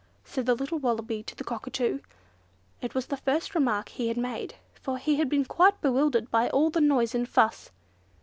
said the little Wallaby to the Cockatoo. It was the first remark he had made, for he had been quite bewildered by all the noise and fuss.